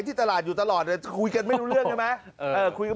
นี่ป้ายอยู่ตรงนี้ใช่ไหม